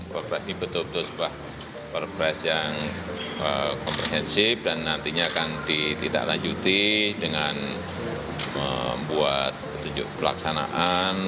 perpres ini betul betul sebuah perpres yang komprehensif dan nantinya akan ditindaklanjuti dengan membuat petunjuk pelaksanaan